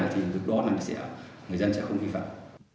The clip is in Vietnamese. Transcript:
thì lúc đó người dân sẽ không ghi phạm